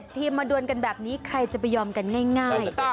ทีมมาดวนกันแบบนี้ใครจะไปยอมกันง่าย